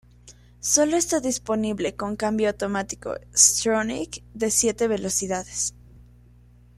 Sólo está disponible con cambio automático S-Tronic de siete velocidades.